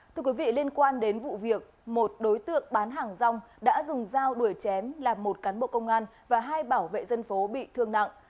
thưa quý vị liên quan đến vụ việc một đối tượng bán hàng rong đã dùng dao đuổi chém là một cán bộ công an và hai bảo vệ dân phố bị thương nặng